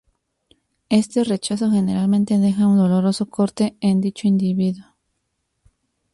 Este rechazo generalmente deja un doloroso corte en dicho individuo.